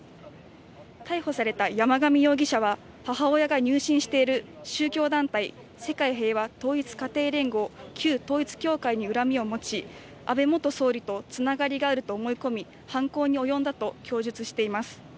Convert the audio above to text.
逮捕された山上容疑者は母親が入信している宗教団体、世界平和統一家庭連合・旧統一教会に恨みを持ち、安倍元総理とつながりがあると思い込み、犯行に及んだと供述しています。